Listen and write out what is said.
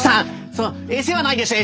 そのえせはないでしょ？